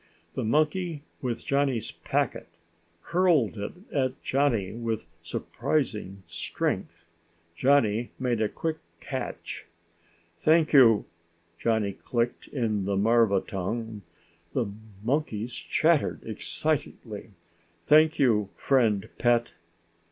The monkey with Johnny's packet hurled it at Johnny with surprising strength. Johnny made a quick catch. "Thank you," Johnny clicked in the marva tongue. The monkeys chattered excitedly. "Thank you, friend pet."